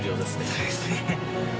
そうですね。